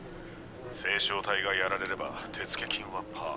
星漿体がやられれば手付金はパァ。